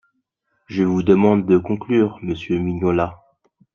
Je vous demande de conclure, monsieur Mignola.